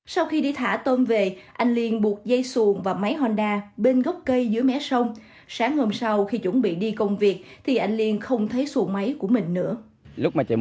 sau khi đi thả tôm về anh liên buộc dây xùn và máy honda bên góc cây dưới mé sông sáng hôm sau khi chuẩn bị đi công việc thì anh liên không thấy xùn máy của mình nữa